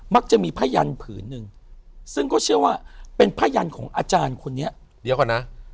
จะมีพยันผืนหนึ่งซึ่งก็เชื่อว่าเป็นพยันของอาจารย์คนนี้เดี๋ยวก่อนนะ